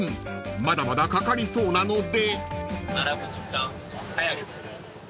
［まだまだかかりそうなので］